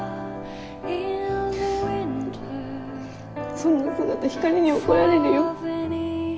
そんな姿ひかりに怒られるよ？